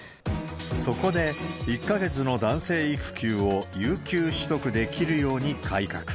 そこで、１か月の男性育休を有給取得できるように改革。